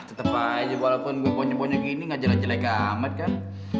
tetep aja walaupun gue ponye ponye gini gak jelek jelek amat kan